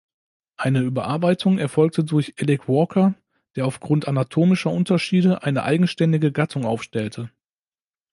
Eine Überarbeitung erfolgte durch Alick Walker, der aufgrund anatomischer Unterschiede eine eigenständige Gattung aufstellte.